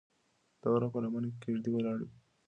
د غره په لمنه کې کيږدۍ ولاړې دي.